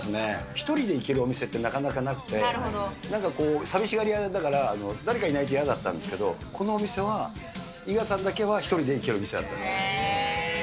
１人で行けるお店ってなかなかなくて、なんかこう、寂しがり屋だから誰かいないと嫌だったんですけど、このお店は、伊賀さんだけは、１人で行けるお店だったんです。